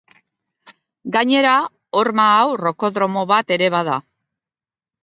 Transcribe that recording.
Gainera, horma hau rokodromo bat ere bada.